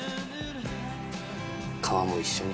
皮も一緒に。